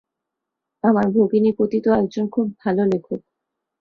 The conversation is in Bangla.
তোমার ভগিনীপতি তো একজন খুব ভাল লেখক।